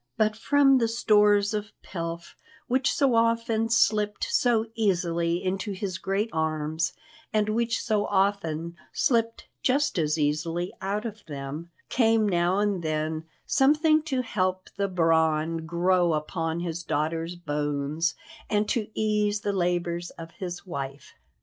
But from the stores of pelf which so often slipped so easily into his great arms, and which so often slipped just as easily out of them, came now and then something to help the brawn grow upon his daughter's bones and to ease the labours of his wife.